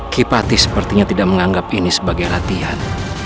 kipati sepertinya tidak menganggap ini sebagai latihan